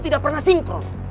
tidak pernah sinkron